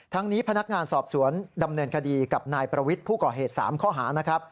นี้พนักงานสอบสวนดำเนินคดีกับนายประวิทย์ผู้ก่อเหตุ๓ข้อหานะครับ